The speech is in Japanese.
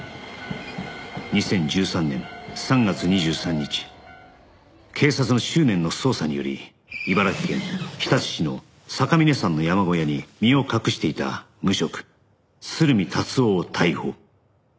２０１３年３月２３日警察の執念の捜査により茨城県日立市の酒峰山の山小屋に身を隠していた無職鶴見達男を逮捕